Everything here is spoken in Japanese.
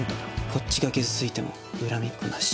こっちが傷ついても恨みっこなし。